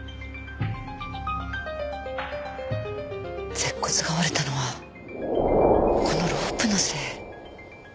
舌骨が折れたのはこのロープのせい？